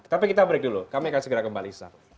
tapi kita break dulu kami akan segera kembali